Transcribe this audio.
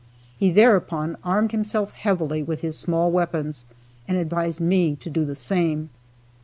He thereupon armed himself heavily with his small weapons, and advised me to do the same.